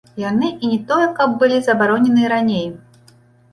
Яны і не тое каб былі забароненыя раней.